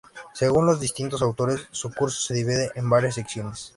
Según los distintos autores, su curso se divide en varias secciones.